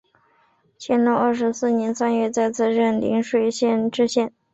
乾隆二十四年三月再次任邻水县知县。